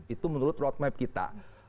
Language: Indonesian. itu menurut roadmap kita